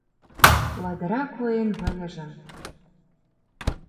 Ладыра куэн выльыжым